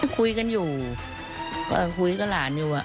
คุยกันอยู่ก็คุยกับหลานอยู่